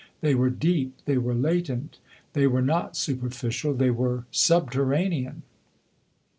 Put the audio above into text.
They were deep, they were latent. They were not superficial they were subterranean."